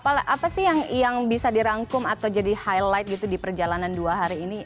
apa sih yang bisa dirangkum atau jadi highlight gitu di perjalanan dua hari ini